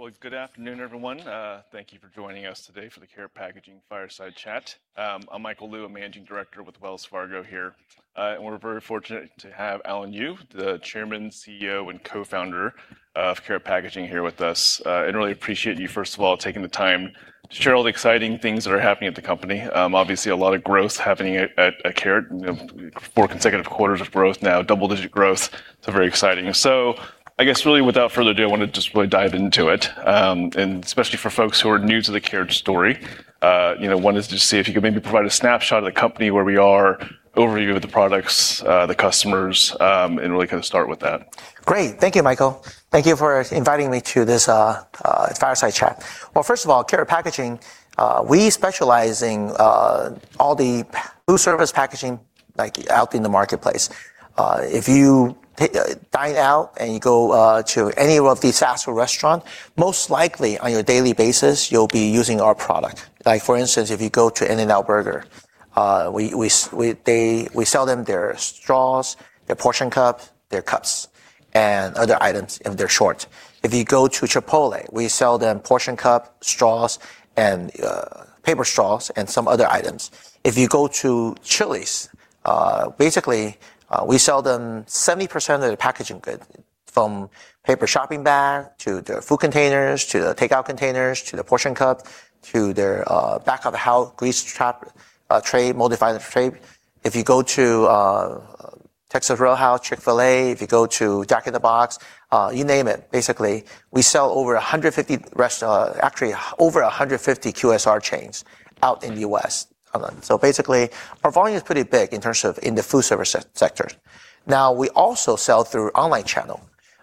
Well, good afternoon, everyone. Thank you for joining us today for the Karat Packaging Fireside Chat. I'm Michael Lu, a managing director with Wells Fargo here. We're very fortunate to have Alan Yu, the Chairman, CEO, and Co-founder of Karat Packaging here with us. Really appreciate you, first of all, taking the time to share all the exciting things that are happening at the company. Obviously, a lot of growth happening at Karat. Four consecutive quarters of growth now, double-digit growth, very exciting. I guess really without further ado, I want to just really dive into it. Especially for folks who are new to the Karat story, I wanted to just see if you could maybe provide a snapshot of the company, where we are, overview of the products, the customers, and really kind of start with that. Great. Thank you, Michael. Thank you for inviting me to this Fireside Chat. Well, first of all, Karat Packaging, we specialize in all the food service packaging out in the marketplace. If you dine out and you go to any of these fast food restaurant, most likely on your daily basis, you'll be using our product. Like for instance, if you go to In-N-Out Burger, we sell them their straws, their portion cup, their cups, and other items if they're short. If you go to Chipotle, we sell them portion cup, paper straws, and some other items. If you go to Chili's, basically, we sell them 70% of the packaging good, from paper shopping bag, to the food containers, to the takeout containers, to the portion cup, to their back of the house grease trap tray, modified tray. If you go to Texas Roadhouse, Chick-fil-A, if you go to Jack in the Box, you name it. Basically, we sell over 150 QSR chains out in the U.S. Basically, our volume is pretty big in terms of in the food service sector. Now, we also sell through online channel.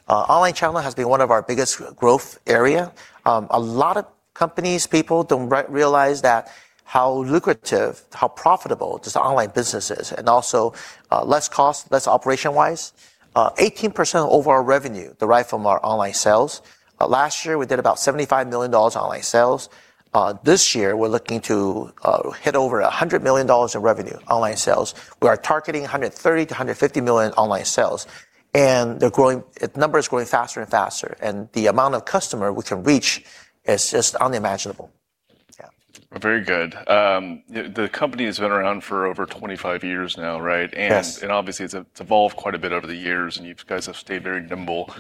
Online channel has been one of our biggest growth area. A lot of companies, people don't realize that how lucrative, how profitable this online business is, and also, less cost, less operation-wise. 18% of overall revenue derive from our online sales. Last year, we did about $75 million online sales. This year, we're looking to hit over $100 million in revenue online sales. We are targeting $130 million-$150 million online sales. The number is growing faster and faster, and the amount of customer we can reach is just unimaginable. Yeah. Very good. The company has been around for over 25 years now, right? Yes. Obviously, it's evolved quite a bit over the years, and you guys have stayed very nimble.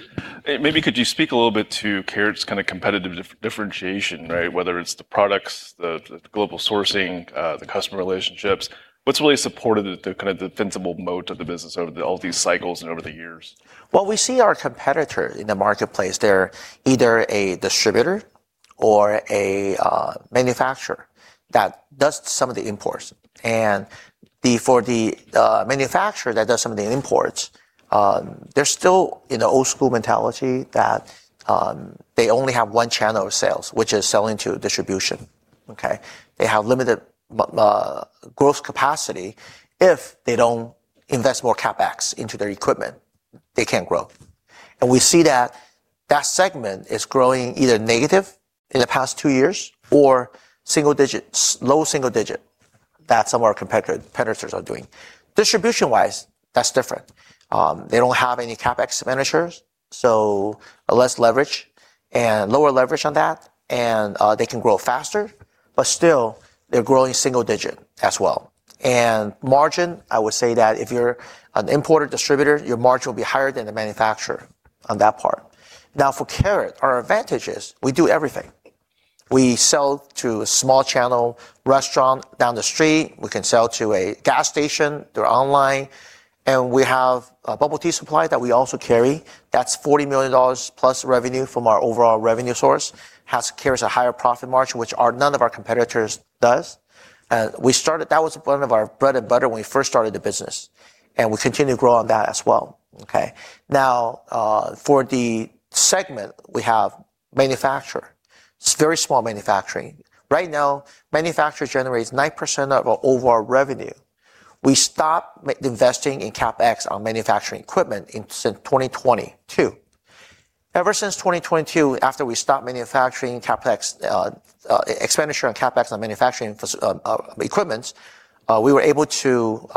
Maybe could you speak a little bit to Karat's kind of competitive differentiation, right? Whether it's the products, the global sourcing, the customer relationships. What's really supported the kind of defensible moat of the business over all these cycles and over the years? We see our competitor in the marketplace. They're either a distributor or a manufacturer that does some of the imports. For the manufacturer that does some of the imports, they're still in the old school mentality that they only have one channel of sales, which is selling to distribution. Okay? They have limited growth capacity. If they don't invest more CapEx into their equipment, they can't grow. We see that that segment is growing either negative in the past two years or low single digit. That's how our competitors are doing. Distribution-wise, that's different. They don't have any CapEx expenditures, so less leverage and lower leverage on that, and they can grow faster. But still, they're growing single digit as well. Margin, I would say that if you're an importer distributor, your margin will be higher than the manufacturer on that part. For Karat, our advantage is we do everything. We sell to a small channel restaurant down the street. We can sell to a gas station. They're online. We have a bubble tea supply that we also carry. That's $40 million plus revenue from our overall revenue source. Karat has a higher profit margin, which none of our competitors does. That was one of our bread and butter when we first started the business, and we continue to grow on that as well. For the segment, we have manufacturer. It's very small manufacturing. Right now, manufacturer generates 9% of our overall revenue. We stopped investing in CapEx on manufacturing equipment in 2022. Ever since 2022, after we stopped expenditure on CapEx on manufacturing equipments, we were able to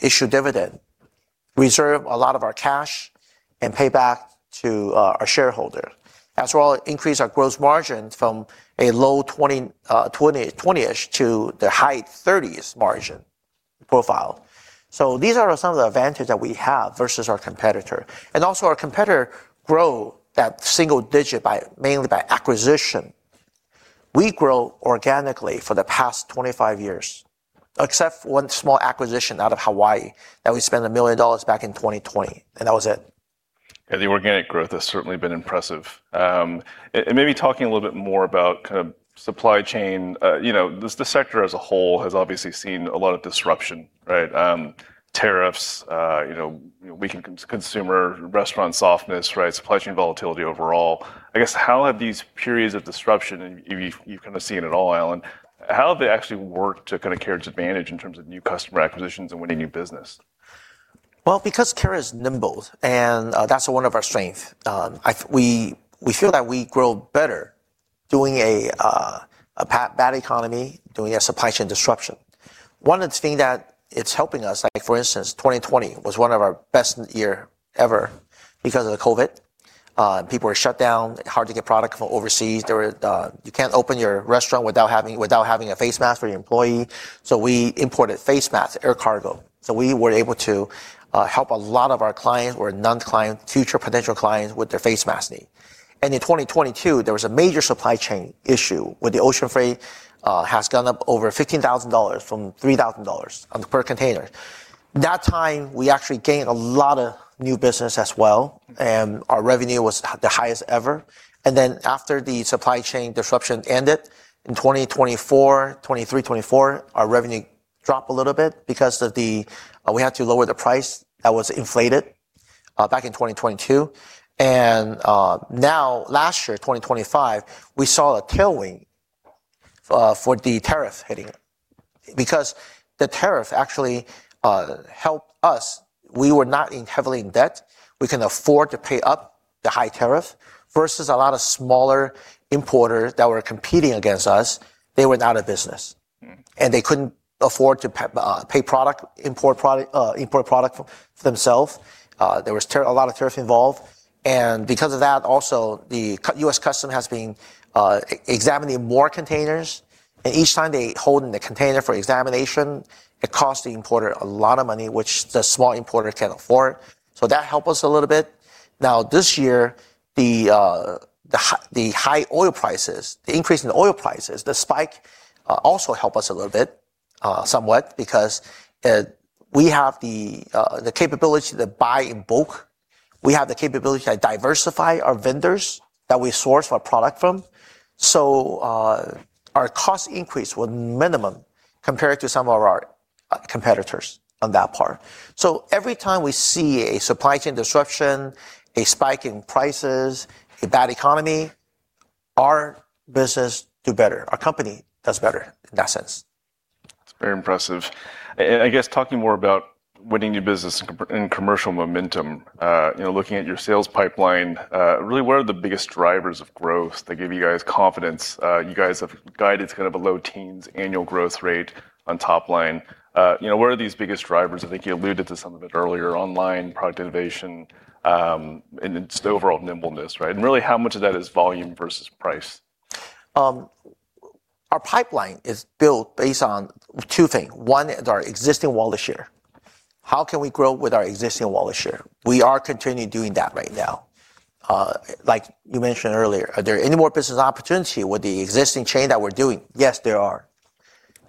issue dividend, reserve a lot of our cash, and pay back to our shareholder. As well increase our gross margin from a low 20-ish to the high 30s margin profile. These are some of the advantage that we have versus our competitor. Also our competitor grow at single digit mainly by acquisition. We grow organically for the past 25 years, except for one small acquisition out of Hawaii that we spent $1 million back in 2020, and that was it. Yeah. The organic growth has certainly been impressive. Maybe talking a little bit more about kind of supply chain. The sector as a whole has obviously seen a lot of disruption, right? Tariffs, weakened consumer, restaurant softness, right? Supply chain volatility overall. I guess, how have these periods of disruption, and you've kind of seen it all, Alan, how have they actually worked to kind of Karat's advantage in terms of new customer acquisitions and winning new business? Well, because Karat is nimble, and that's one of our strength. We feel that we grow better during a bad economy, during a supply chain disruption. One of the things that is helping us, like for instance, 2020 was one of our best year ever because of the COVID. People were shut down, hard to get product from overseas. You can't open your restaurant without having a face mask for your employee. We imported face masks, air cargo. We were able to help a lot of our clients who are non-client, future potential clients, with their face mask need. In 2022, there was a major supply chain issue with the ocean freight, has gone up over $15,000 from $3,000 on per container. That time, we actually gained a lot of new business as well, and our revenue was the highest ever. Then after the supply chain disruption ended in 2024, 2023, 2024, our revenue dropped a little bit because we had to lower the price that was inflated back in 2022. Now last year, 2025, we saw a tailwind for the tariff hitting because the tariff actually helped us. We were not heavily in debt. We can afford to pay up the high tariff versus a lot of smaller importers that were competing against us, they were out of business. They couldn't afford to import product for themself. There was a lot of tariff involved and because of that, also the U.S. Customs has been examining more containers, and each time they hold the container for examination, it costs the importer a lot of money, which the small importer can't afford. That helped us a little bit. Now this year, the increase in the oil prices, the spike, also help us a little bit, somewhat because we have the capability to buy in bulk. We have the capability to diversify our vendors that we source our product from. Our cost increase was minimum compared to some of our competitors on that part. Every time we see a supply chain disruption, a spike in prices, a bad economy, our business do better. Our company does better in that sense. It's very impressive. I guess talking more about winning new business and commercial momentum, looking at your sales pipeline, really what are the biggest drivers of growth that give you guys confidence? You guys have guided kind of a low teens annual growth rate on top line. What are these biggest drivers? I think you alluded to some of it earlier, online, product innovation, and just overall nimbleness, right? Really how much of that is volume versus price? Our pipeline is built based on two things. One is our existing wallet share. How can we grow with our existing wallet share? We are continually doing that right now. Like you mentioned earlier, are there any more business opportunity with the existing chain that we're doing? Yes, there are.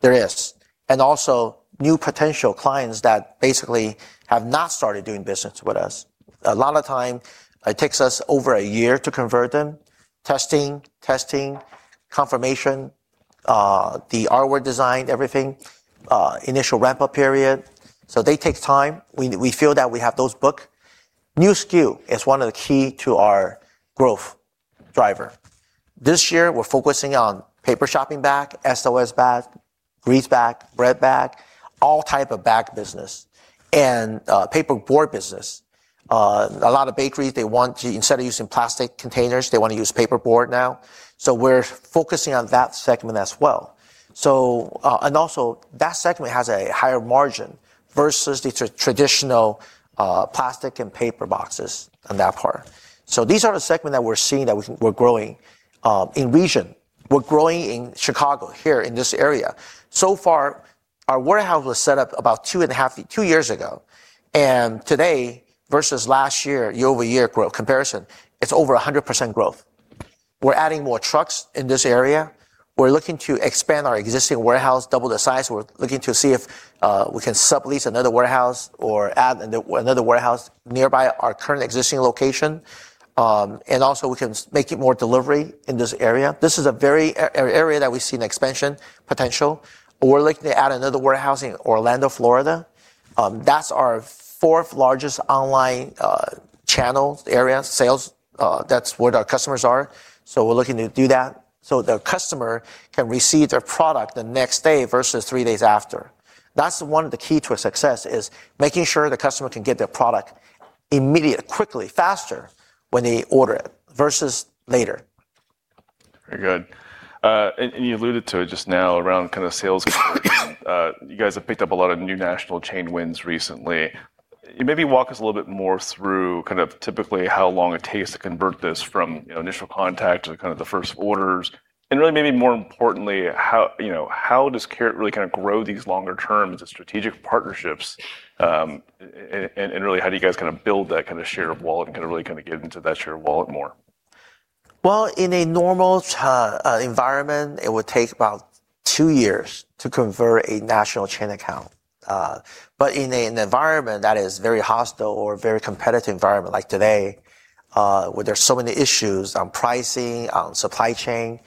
There is. Also new potential clients that basically have not started doing business with us. A lot of time it takes us over a year to convert them. Testing, testing, confirmation, the artwork design, everything, initial ramp-up period. They take time. We feel that we have those booked. New SKU is one of the key to our growth driver. This year we're focusing on paper shopping bag, SOS bag, grease bag, bread bag, all type of bag business and paper board business. A lot of bakeries, instead of using plastic containers, they want to use paper board now. We're focusing on that segment as well. Also that segment has a higher margin versus the traditional plastic and paper boxes on that part. These are the segment that we're seeing that we're growing. In region, we're growing in Chicago, here in this area. So far our warehouse was set up about two years ago. Today versus last year-over-year growth comparison, it's over 100% growth. We're adding more trucks in this area. We're looking to expand our existing warehouse, double the size. We're looking to see if we can sublease another warehouse or add another warehouse nearby our current existing location. Also we can make it more delivery in this area. This is a very area that we see an expansion potential. We're looking to add another warehouse in Orlando, Florida. That's our fourth largest online channel area sales. That's where our customers are. We're looking to do that so the customer can receive their product the next day versus three days after. That's one of the key to our success is making sure the customer can get their product immediate, quickly, faster when they order it versus later. Very good. You alluded to it just now around kind of sales growth. You guys have picked up a lot of new national chain wins recently. Maybe walk us a little bit more through kind of typically how long it takes to convert this from initial contact to kind of the first orders and really maybe more importantly, how does Karat really kind of grow these longer terms and strategic partnerships? Really how do you guys kind of build that kind of share of wallet and kind of really kind of get into that share of wallet more? Well, in a normal environment, it would take about two years to convert a national chain account. In an environment that is very hostile or very competitive environment like today, where there's so many issues on pricing, on supply chain,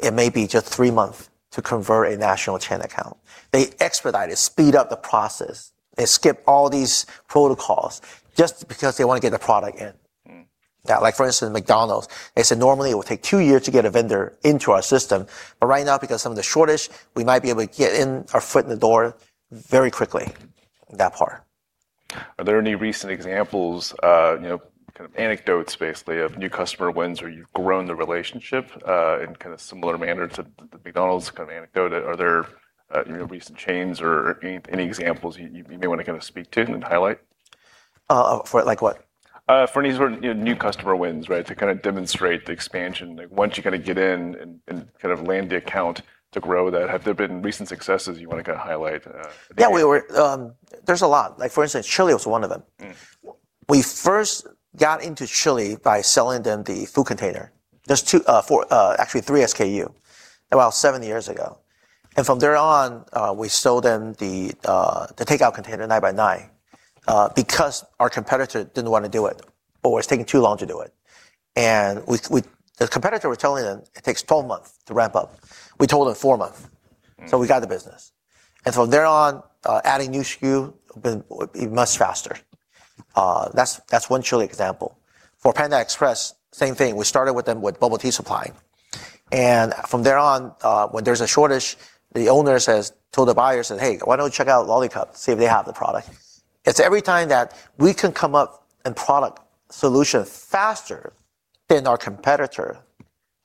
it may be just three month to convert a national chain account. They expedite it, speed up the process. They skip all these protocols just because they want to get the product in. Like for instance, McDonald's, they said normally it would take two years to get a vendor into our system, right now because some of the shortage, we might be able to get in our foot in the door very quickly. Are there any recent examples, kind of anecdotes basically, of new customer wins where you've grown the relationship in kind of similar manner to the McDonald's kind of anecdote? Are there recent chains or any examples you may want to kind of speak to and highlight? For like what? For any sort of new customer wins, right? To kind of demonstrate the expansion, like once you kind of get in and kind of land the account to grow that, have there been recent successes you want to kind of highlight? Yeah, there's a lot. Like for instance, Chili's was one of them. We first got into Chili's by selling them the food container. There's two, four, actually three SKU, about seven years ago. From there on, we sold them the takeout container nine by nine, because our competitor didn't want to do it, or was taking too long to do it. The competitor was telling them it takes 12 months to ramp up. We told them four months, so we got the business. From there on, adding new SKU, been much faster. That's one Chili's example. For Panda Express, same thing. We started with them with bubble tea supply. From there on, when there's a shortage, the owner says to the buyers that, "Hey, why don't you check out Lollicup, see if they have the product?" It's every time that we can come up in product solution faster than our competitor,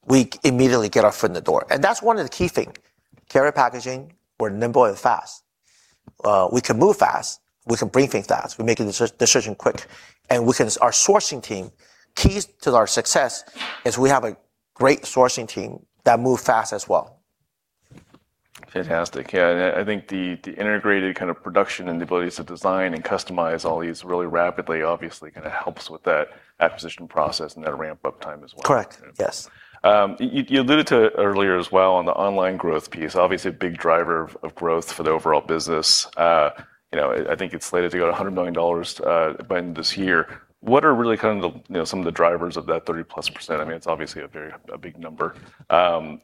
we immediately get our foot in the door. That's one of the key thing. Karat Packaging, we're nimble and fast. We can move fast, we can bring things fast, we're making decision quick. Our sourcing team, keys to our success is we have a great sourcing team that move fast as well. Fantastic. Yeah, I think the integrated kind of production and the ability to design and customize all these really rapidly obviously kind of helps with that acquisition process and that ramp-up time as well. Correct. Yes. You alluded to earlier as well on the online growth piece, obviously a big driver of growth for the overall business. I think it's slated to go to $100 million by end of this year. What are really kind of some of the drivers of that 30+%? I mean, it's obviously a big number.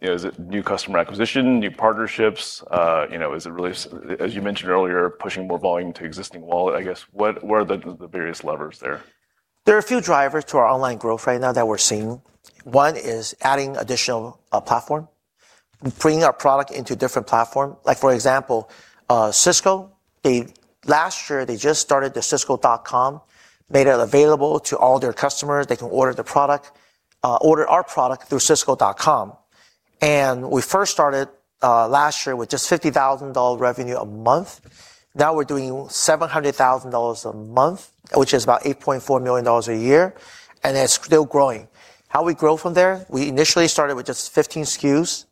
Is it new customer acquisition, new partnerships? Is it really, as you mentioned earlier, pushing more volume to existing wallet I guess. What are the various levers there? There are a few drivers to our online growth right now that we're seeing. One is adding additional platform, bringing our product into different platform. Like for example, Sysco, last year they just started the sysco.com, made it available to all their customers. They can order our product through sysco.com. We first started last year with just $50,000 revenue a month. Now we're doing $700,000 a month, which is about $8.4 million a year, and it's still growing. How we grow from there, we initially started with just 15 SKUs,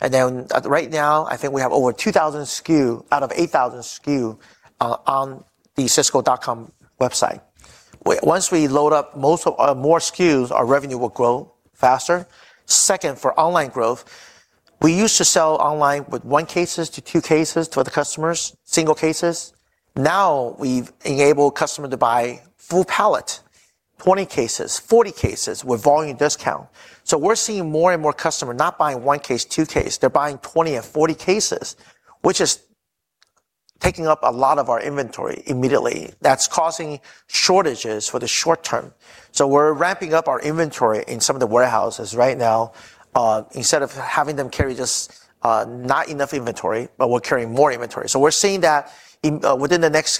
and then right now I think we have over 2,000 SKU out of 8,000 SKU on the sysco.com website. Once we load up more SKUs, our revenue will grow faster. Second, for online growth, we used to sell online with one cases to two cases to the customers, single cases. Now we've enabled customer to buy full pallet, 20 cases-40 cases with volume discount. We're seeing more and more customer not buying one case, two case, they're buying 20 or 40 cases, which is taking up a lot of our inventory immediately. That's causing shortages for the short term. We're ramping up our inventory in some of the warehouses right now. Instead of having them carry just not enough inventory, but we're carrying more inventory. We're seeing that within the next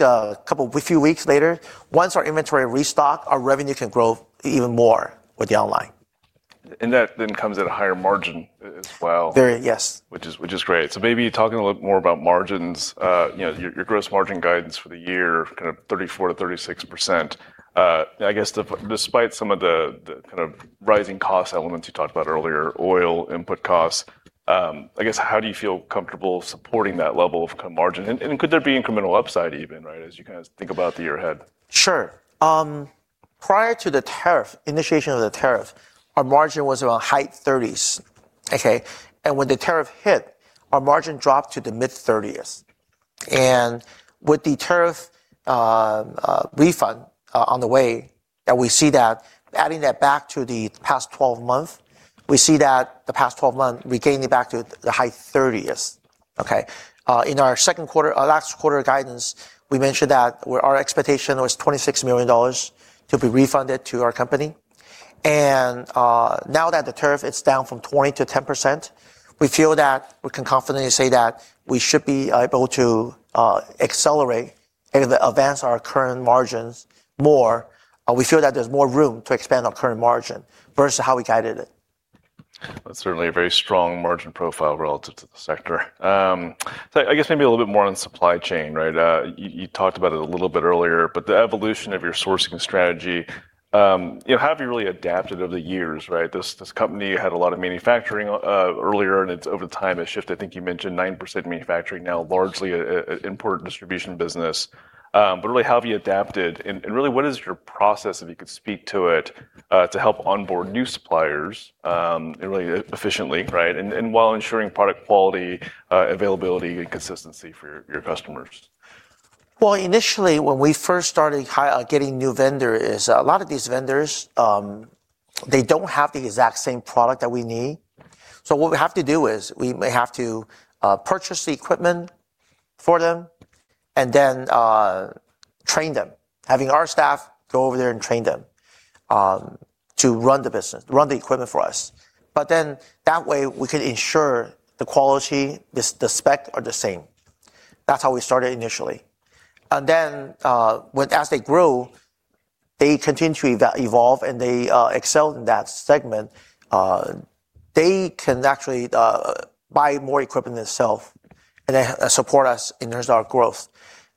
few weeks later, once our inventory restock, our revenue can grow even more with the online. That then comes at a higher margin as well. Very, yes. Maybe talking a little bit more about margins. Your gross margin guidance for the year kind of 34%-36%. Despite some of the kind of rising cost elements you talked about earlier, oil input costs, how do you feel comfortable supporting that level of margin? Could there be incremental upside even, right? As you kind of think about the year ahead. Sure. Prior to the tariff, initiation of the tariff, our margin was around high 30s. When the tariff hit, our margin dropped to the mid-30s. With the tariff refund on the way, we see that adding that back to the past 12 months, we see that the past 12 months regaining back to the high 30s. In our second quarter, our last quarter guidance, we mentioned that our expectation was $26 million to be refunded to our company. Now that the tariff is down from 20% to 10%, we feel that we can confidently say that we should be able to accelerate and advance our current margins more. We feel that there's more room to expand our current margin versus how we guided it. That's certainly a very strong margin profile relative to the sector. Maybe a little bit more on supply chain, right? You talked about it a little bit earlier, but the evolution of your sourcing strategy. How have you really adapted over the years, right? This company had a lot of manufacturing earlier, over time it's shifted. I think you mentioned 9% manufacturing now, largely an import distribution business. Really how have you adapted and really what is your process, if you could speak to it, to help onboard new suppliers, really efficiently, right? While ensuring product quality, availability and consistency for your customers. Initially when we first started getting new vendor is a lot of these vendors, they don't have the exact same product that we need. What we have to do is we may have to purchase the equipment for them, train them, having our staff go over there and train them to run the business, run the equipment for us. That way, we can ensure the quality and the spec are the same. That's how we started initially. As they grew, they continued to evolve, they excelled in that segment. They can actually buy more equipment themselves, support us in terms of our growth.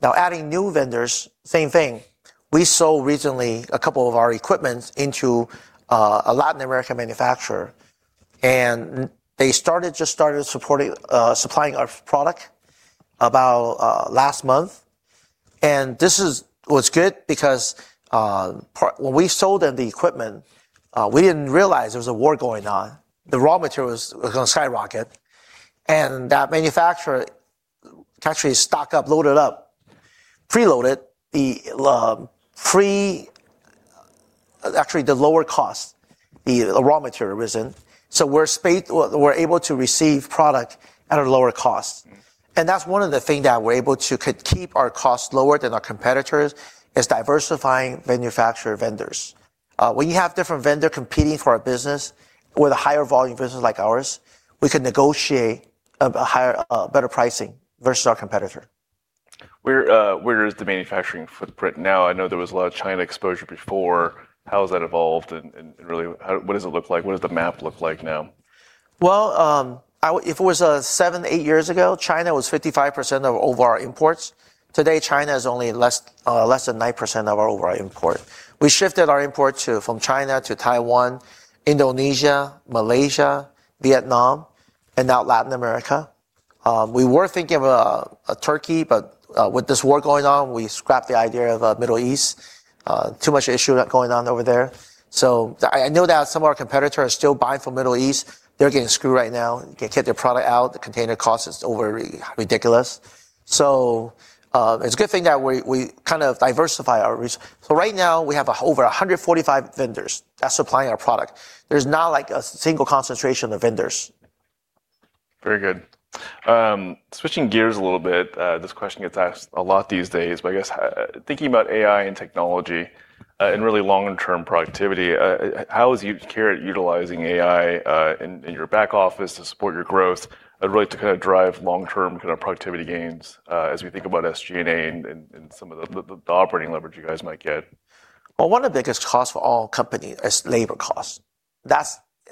Adding new vendors, same thing. We sold recently a couple of our equipment to a Latin American manufacturer, they just started supplying our product about last month. This was good because when we sold them the equipment, we didn't realize there was a war going on. The raw materials were going to skyrocket, and that manufacturer can actually stock up, load it up, pre-load it, actually the lower cost, the raw material reason. We're able to receive product at a lower cost. That's one of the things that we're able to keep our costs lower than our competitors is diversifying manufacturer vendors. When you have different vendors competing for our business with a higher volume business like ours, we can negotiate better pricing versus our competitor. Where is the manufacturing footprint now? I know there was a lot of China exposure before. How has that evolved and what does it look like? What does the map look like now? If it was seven, eight years ago, China was 55% of all of our imports. Today, China is only less than 9% of our overall import. We shifted our imports from China to Taiwan, Indonesia, Malaysia, Vietnam, and now Latin America. We were thinking of Turkey, but with this war going on, we scrapped the idea of Middle East. Too much issue going on over there. I know that some of our competitors are still buying from Middle East. They're getting screwed right now. They can't get their product out. The container cost is over ridiculous. It's a good thing that we kind of diversify our risk. Right now, we have over 145 vendors that's supplying our product. There's not a single concentration of vendors. Very good. Switching gears a little bit, this question gets asked a lot these days, but I guess, thinking about AI and technology, and really long-term productivity, how is Karat Packaging utilizing AI in your back office to support your growth and really to drive long-term productivity gains as we think about SG&A and some of the operating leverage you guys might get? Well, one of the biggest costs for all companies is labor cost.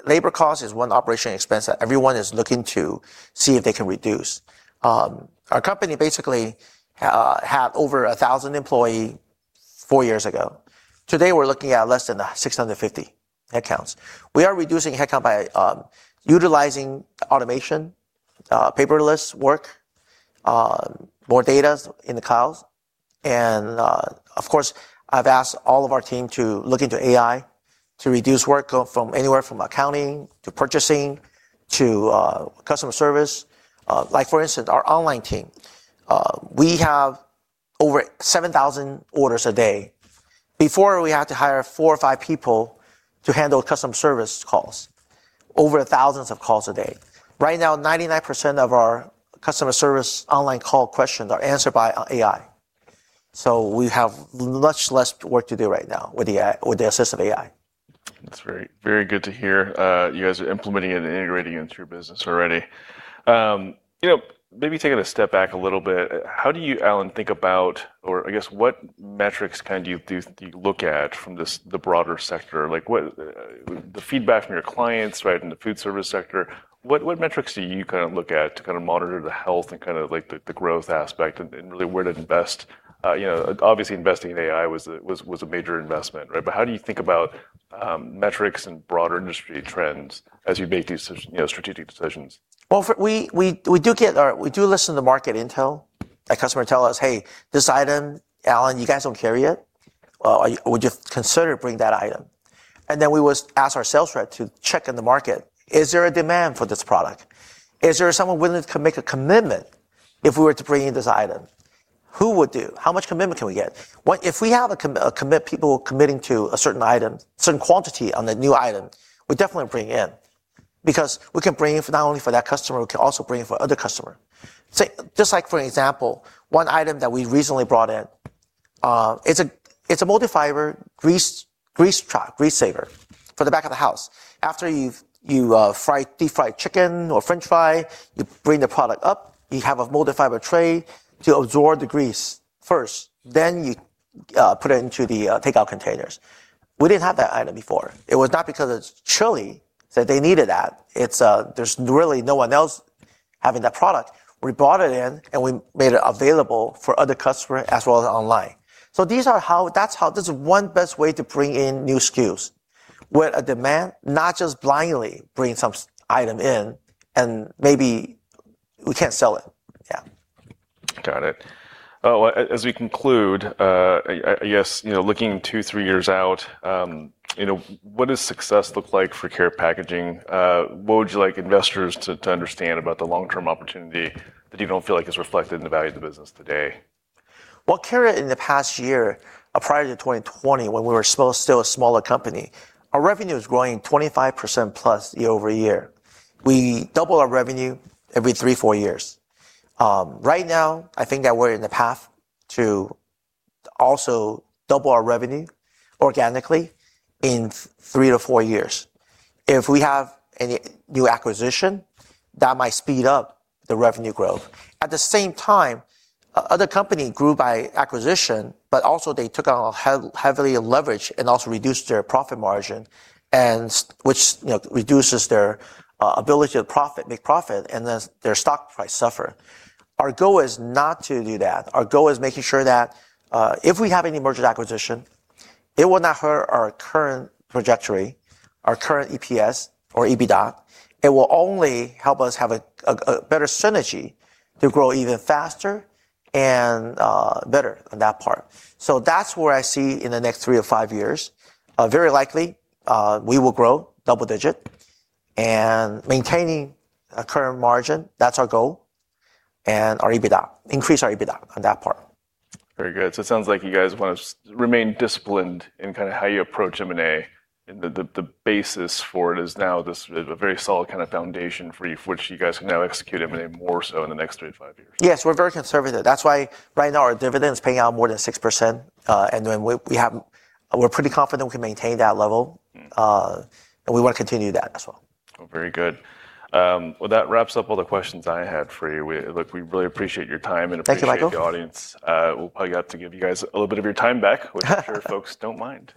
Labor cost is one operational expense that everyone is looking to see if they can reduce. Our company basically had over 1,000 employees four years ago. Today, we're looking at less than 650 headcounts. We are reducing headcount by utilizing automation, paperless work, more data in the cloud, and of course, I've asked all of our team to look into AI to reduce work from anywhere from accounting to purchasing to customer service. For instance, our online team. We have over 7,000 orders a day. Before, we had to hire four or five people to handle customer service calls, over thousands of calls a day. Right now, 99% of our customer service online call questions are answered by AI. We have much less work to do right now with the assist of AI. That's very good to hear. You guys are implementing it and integrating it into your business already. Maybe taking a step back a little bit, how do you, Alan Yu, think about, or I guess, what metrics do you look at from the broader sector? The feedback from your clients in the foodservice sector, what metrics do you look at to monitor the health and the growth aspect and really where to invest? Obviously, investing in AI was a major investment, but how do you think about metrics and broader industry trends as you make these strategic decisions? Well, we do listen to market intel. A customer tells us, "Hey, this item, Alan Yu, you guys don't carry it. Would you consider bringing that item?" Then we would ask our sales rep to check in the market. Is there a demand for this product? Is there someone willing to make a commitment if we were to bring in this item? Who would do? How much commitment can we get? If we have people committing to a certain item, a certain quantity on the new item, we'll definitely bring it in because we can bring it not only for that customer, we can also bring it for other customers. Just like for example, one item that we recently brought in, it's a multi-fiber grease saver for the back of the house. After you've deep-fried chicken or french fry, you bring the product up, you have a multi-fiber tray to absorb the grease first, then you put it into the takeout containers. We didn't have that item before. It was not because it's Chili's that they needed that. There's really no one else having that product. We brought it in, and we made it available for other customers as well as online. That's one best way to bring in new SKUs, where a demand, not just blindly bringing some item in and maybe we can't sell it. Yeah. Got it. Well, as we conclude, I guess, looking two, three years out, what does success look like for Karat Packaging? What would you like investors to understand about the long-term opportunity that you don't feel like is reflected in the value of the business today? Well, Karat in the past year, prior to 2020, when we were still a smaller company, our revenue was growing 25% plus year-over-year. We double our revenue every three, four years. Right now, I think that we're in the path to also double our revenue organically in three to four years. If we have any new acquisition, that might speed up the revenue growth. At the same time, other companies grew by acquisition, but also they took on heavily leverage and also reduced their profit margin, which reduces their ability to make profit, and then their stock price suffers. Our goal is not to do that. Our goal is making sure that if we have any merger acquisition, it will not hurt our current trajectory, our current EPS or EBITDA. It will only help us have a better synergy to grow even faster and better on that part. That's where I see in the next three to five years. Very likely, we will grow double digits and maintain a current margin. That's our goal. Our EBITDA, increase our EBITDA on that part. Very good. It sounds like you guys want to remain disciplined in how you approach M&A, and the basis for it is now this very solid foundation for you, for which you guys can now execute M&A more so in the next three to five years. Yes, we're very conservative. That's why right now our dividend is paying out more than 6%, and we're pretty confident we can maintain that level. We want to continue that as well. Oh, very good. Well, that wraps up all the questions I had for you. Look, we really appreciate your time. Thank you, Michael. The audience. We'll probably have to give you guys a little bit of your time back, which I'm sure folks don't mind.